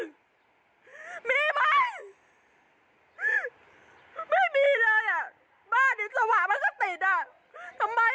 อยู่กันไม่ได้แล้วเนี่ย